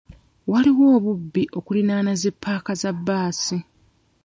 Waliwo obubbi okuliraana zi ppaaka za bbaasi.